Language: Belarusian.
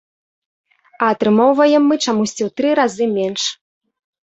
А атрымоўваем мы чамусьці ў тры разы менш.